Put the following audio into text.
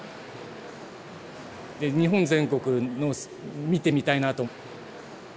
で日本全国の見てみたいなと。